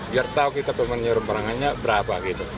biar tahu kita menyerum perangannya berapa gitu